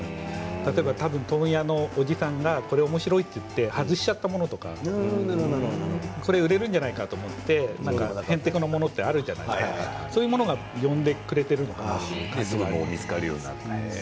例えば問屋のおじさんがおもしろいと思って外しちゃったものとかこれ売れるんじゃないかと思ってへんてこなものってあるじゃないですかそういうのが呼んでくれているのが。